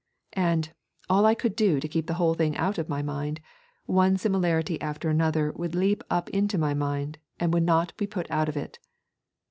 And, all I could do to keep the whole thing out of my mind, one similarity after another would leap up into my mind and would not be put out of it.